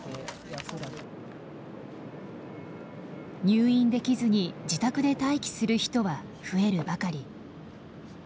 入院できずに自宅で待機する人は増えるばかり。